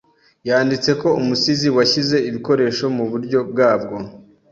yanditse ko umusizi washyize ibikoresho muburyo bwabo